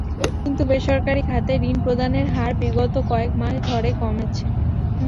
কিন্তু বেসরকারি খাতে ঋণ প্রদানের হার বিগত কয়েক মাস ধরে কমছে।